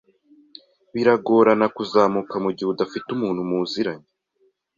biragorana kuzamuka mu gihe udafite umuntu muziranye